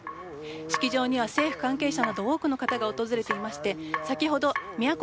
式場には政府関係者など多くの方が訪れていまして先ほど宮越肇